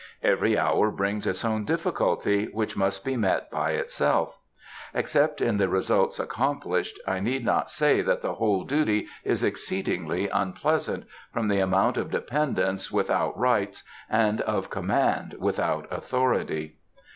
Every hour brings its own difficulty, which must be met by itself.... Except in the results accomplished, I need not say that the whole duty is exceedingly unpleasant, from the amount of dependence without rights, and of command without authority.